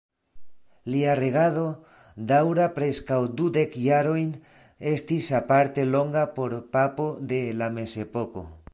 Lia regado, daŭra preskaŭ dudek jarojn, estis aparte longa por papo de la Mezepoko.